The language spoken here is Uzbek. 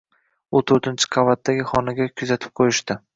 Uni to`rtinchi qavatdagi xonaga kuzatib qo`yishdi